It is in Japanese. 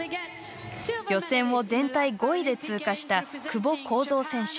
予選を全体５位で通過した久保恒造選手。